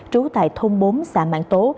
trú tại thôn bốn xã mạng tố